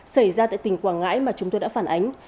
xảy ra tại tỉnh quảng ngãi mà chúng tôi đã phản ánh